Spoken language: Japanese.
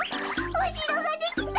おしろができた！